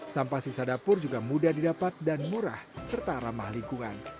sampah sisa dapur juga mudah didapat dan murah serta ramah lingkungan